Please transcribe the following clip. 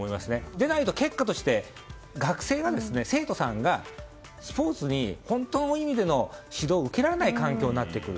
でないと結果として学生、生徒さんがスポーツに本当の意味での指導を受けられない環境になってくる。